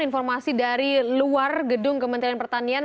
informasi dari luar gedung kementerian pertanian